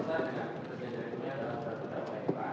ini kan di